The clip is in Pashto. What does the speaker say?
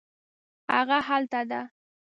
هغه هلته ده